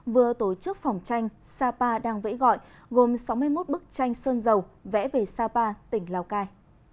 vừa tổ chức phòng tranh sapa đang vẽ gọi gồm sáu mươi một bức tranh sơn dầu vẽ về sapa tỉnh lào cai